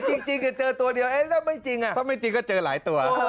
จริงจริงก็เจอตัวเดียวเอ้ยแล้วถ้าไม่จริงอ่ะถ้าไม่จริงก็เจอหลายตัว